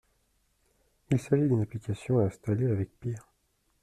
Il s’agit d’une application à installer avec PEAR.